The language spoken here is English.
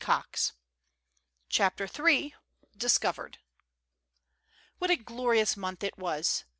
:o: CHAPTER III. DISCOVERED. W HAT a glorious month it was